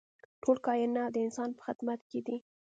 ټول کاینات د انسان په خدمت کې دي.